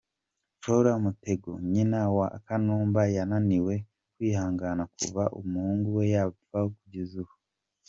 Flora Mutegoa, nyina wa Kanumba, yananiwe kwihangana kuva umuhungu we yapfa kugeza ubu.